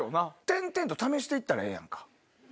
転々と試して行ったらええやんか。